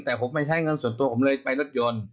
แต่ผมไม่ใช้เงินส่วนตัวผมเลยไปรถยนต์